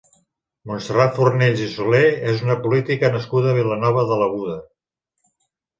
Montserrat Fornells i Solé és una política nascuda a Vilanova de l'Aguda.